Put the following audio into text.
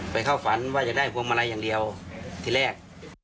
เข้าฝันว่าอยากได้พวงมาลัยอย่างเดียวที่แรก